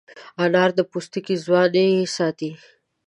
انار د پوستکي ځوانۍ ساتي.